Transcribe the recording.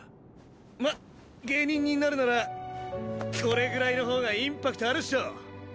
まっ芸人になるならこれぐらいの方がインパクトあるっしょ。